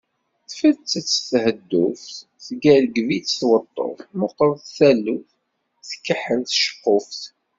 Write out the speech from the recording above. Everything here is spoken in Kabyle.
Tfettet tḥedduft, teggergeb-itt tweṭṭuft, meqret taluft, tkeḥḥel tceqquft.